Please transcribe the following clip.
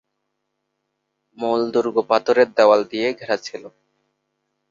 মূল দুর্গ পাথরের দেওয়াল দিয়ে ঘেরা ছিল।